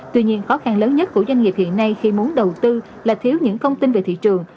tuy nhiên khó khăn lớn nhất của doanh nghiệp hiện nay khi muốn đầu tư là thiếu những thông tin về thị trường